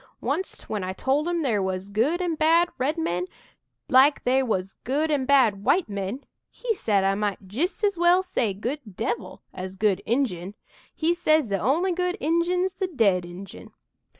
"Oncet when I told 'im there was good an' bad red men like they wuz good an' bad white men, he said I might jist as well say 'good devil' as 'good Injun!' He says 'the only good Injun's the dead Injun!'